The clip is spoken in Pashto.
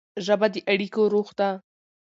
ژبه د اړیکو روح ده.